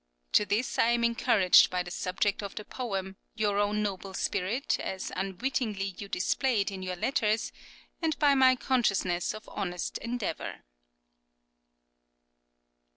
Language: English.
To this I am encouraged by the subject of the poem, your own noble spirit, as unwittingly you display it in your letters, and by my consciousness of honest endeavour.